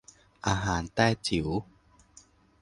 อาหารแต้จิ๋ว